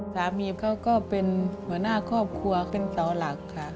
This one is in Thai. สามีเขาก็เป็นหัวหน้าครอบครัวเป็นเสาหลักค่ะ